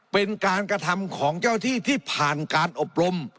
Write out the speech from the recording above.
เป็นการกระทำของเจ้าที่ที่ผ่านการอบรม